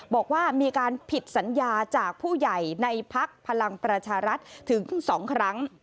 บอกว่ามีการผิดสัญญาจากผู้ใหญ่ในพักพลังประชารัฐถึง๒ครั้ง